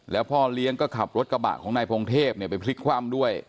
แล้วพ่อเลี้ยงก็ขับรถกระบะของนายพงเทพไปพลิกคว่ำด้วย